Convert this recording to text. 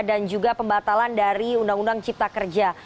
dan juga pembatalan dari undang undang cipta kerja